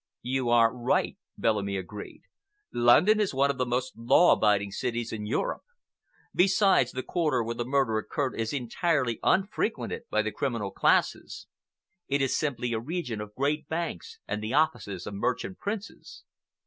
"You are right," Bellamy agreed. "London is one of the most law abiding cities in Europe. Besides, the quarter where the murder occurred is entirely unfrequented by the criminal classes. It is simply a region of great banks and the offices of merchant princes.